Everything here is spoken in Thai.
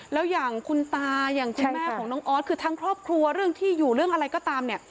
แล้วอย่างคุณตาอย่างคุณแม่ของน้องออสคือทั้งครอบครัวเรื่องที่อยู่เรื่องอะไรก็ตามเนี่ย